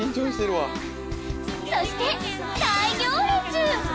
そして大行列！